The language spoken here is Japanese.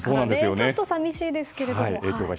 ちょっと寂しいですけれども。